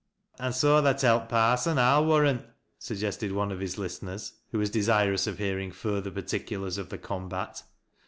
An' so tha tellt parson, I'll warrant," suggested one of his listeners, who wa« desirous of hearing further par ticulars of the combat.